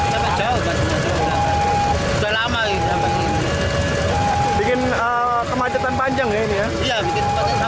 pemerintahan ini juga diperlukan oleh pemerintahan yang berpengurusan